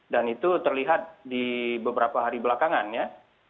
dan itu terlihat di beberapa hari belakangan ya